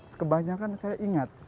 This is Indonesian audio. sekebanyakan saya ingat